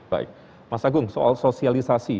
baik mas agung soal sosialisasi